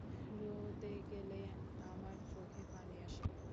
রোদে গেলে আমার চোখে পানি আসে।